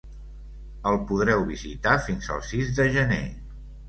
El podreu visitar fins el sis de gener.